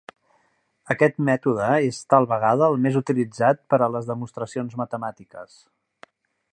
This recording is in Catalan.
Aquest mètode és tal vegada el més utilitzat per a les demostracions matemàtiques.